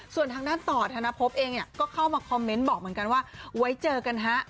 ส่วนทางด้านต่อธนภพเองก็เข้ามาคอมเมนต์บอกเหมือนกันว่าไว้เจอกันฮะ